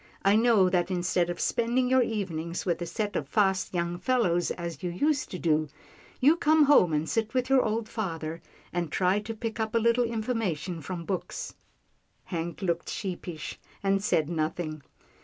I know that instead of spending your evenings with a set of fast young fellows as you used to do, you come home and sit with your old father, and try to pick up a little information from books." Hank looked sheepish, and said nothing.